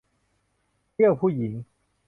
เที่ยวผู้หญิง